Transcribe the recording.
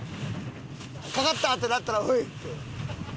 「かかった！」ってなったらホイって。